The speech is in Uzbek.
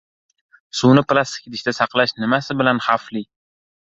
Suvni plastik idishda saqlash nimasi bilan xavfli?